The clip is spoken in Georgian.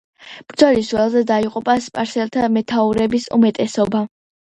ბრძოლის ველზე დაიღუპა სპარსელთა მეთაურების უმეტესობა.